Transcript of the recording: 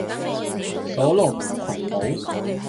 所羅門群島